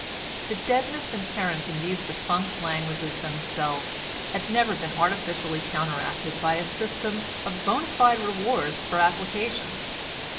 The deadness inherent in these defunct languages themselves had never been artificially counteracted by a system of bona fide rewards for application.